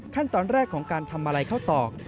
ขั้นตอนแรกของการทำมาลัยเข้าตอก